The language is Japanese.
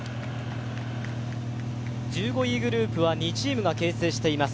１５位グループは２チームが形成しています。